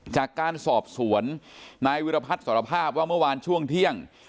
จากการสอบสวนนายวิรพัฒน์สารภาพว่าเมื่อวานช่วงเที่ยง